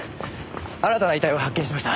新たな遺体を発見しました。